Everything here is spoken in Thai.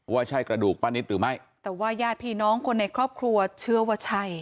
ว่าใช่กระดูกป้านิตหรือไม่แต่ว่าญาติพี่น้องคนในครอบครัวเชื่อว่าใช่